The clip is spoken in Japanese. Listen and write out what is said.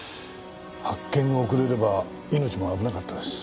発見が遅れれば命も危なかったです。